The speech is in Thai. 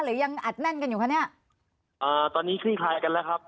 หรือยังอัดแน่นกันอยู่คะเนี้ยอ่าตอนนี้คลี่คลายกันแล้วครับ